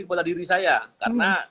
kepada diri saya karena